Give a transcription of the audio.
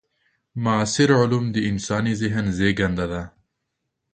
معاصر علوم د انساني ذهن زېږنده وي.